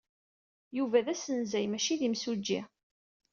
Yuba d asenzay, maci d imsujji.